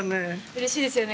うれしいですよね